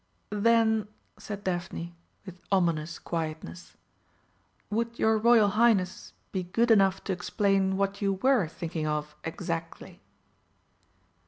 "Then," said Daphne, with ominous quietness, "would your Royal Highness be good enough to explain what you were thinking of exactly?"